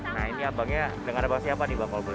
nah ini abangnya dengan abang siapa nih bang